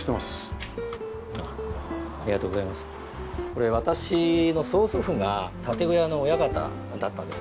これ私の曽祖父が建具屋の親方だったんですね。